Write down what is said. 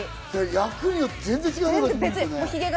役によって全然違うからね。